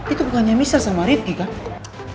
itu bukannya misal sama rifqi kah